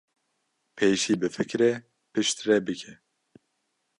pêşî bifikire piştre bike